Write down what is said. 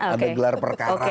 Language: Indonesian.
ada gelar perkara